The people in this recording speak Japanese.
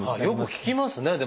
よく聞きますね。